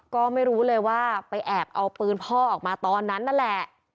ก็ไม่รู้เลยว่าไปแอบเอาปืนพ่อออกมาตอนนั้นนั่นแหละ